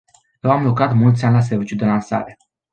Eu am lucrat mulți ani la serviciul de lansare.